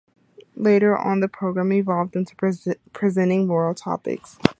Later on the program evolved into presenting moral topics.